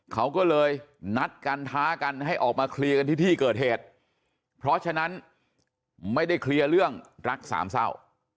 เขาก็เลยนัดกันท้ากันให้ออกมาเคลียร์กันที่ที่เกิดเหตุเพราะฉะนั้นไม่ได้เคลียร์เรื่องรักสามเศร้า